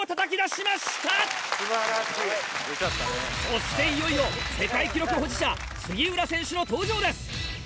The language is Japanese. そしていよいよ世界記録保持者杉浦選手の登場です。